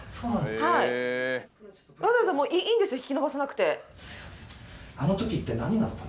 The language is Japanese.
はいわざわざもういいんです引き伸ばさなくてすいません